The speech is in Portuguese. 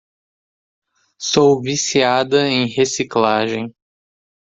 Sou viciada em reciclagem.